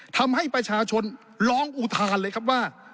ทำให้ประชาชนร้องอุทานเลยครับว่า